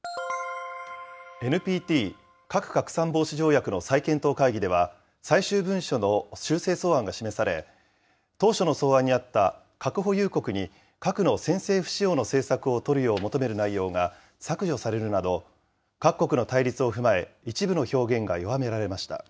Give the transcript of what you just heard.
ＮＰＴ・核拡散防止条約の再検討会議では、最終文書の修正草案が示され、当初の草案にあった、核保有国に、核の先制不使用の政策を取るよう求める内容が削除されるなど、各国の対立を踏まえ、一部の表現が弱められました。